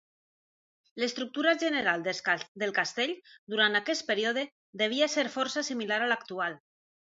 L'estructura general del castell, durant aquest període, devia ser força similar a l'actual.